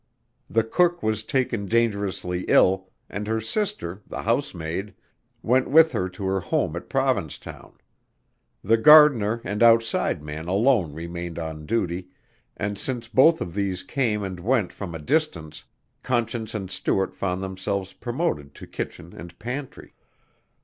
The cook was taken dangerously ill and her sister, the housemaid, went with her to her home at Provincetown. The gardener and outside man alone remained on duty and since both of these came and went from a distance, Conscience and Stuart found themselves promoted to kitchen and pantry.